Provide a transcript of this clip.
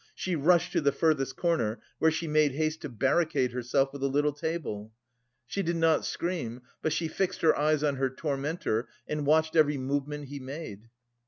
She rushed to the furthest corner, where she made haste to barricade herself with a little table. She did not scream, but she fixed her eyes on her tormentor and watched every movement he made.